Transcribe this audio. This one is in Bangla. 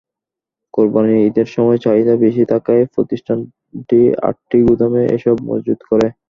কোরবানির ঈদের সময় চাহিদা বেশি থাকায় প্রতিষ্ঠানটি আটটি গুদামে এসব মজুত করে।